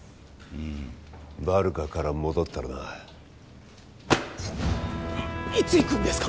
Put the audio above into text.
うんバルカから戻ったらないっいつ行くんですか？